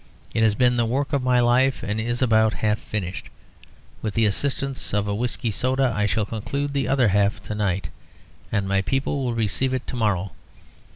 It has been the work of my life, and is about half finished. With the assistance of a whisky and soda, I shall conclude the other half to night, and my people will receive it to morrow.